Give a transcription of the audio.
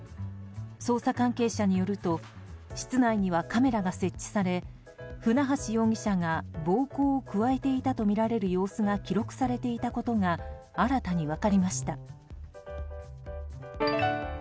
捜査関係者によると室内にはカメラが設置され船橋容疑者が暴行を加えていたとみられる様子が記録されていたことが新たに分かりました。